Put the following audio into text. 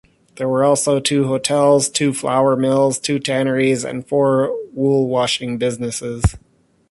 There were also two hotels, two flour mills, two tanneries and four wool-washing businesses.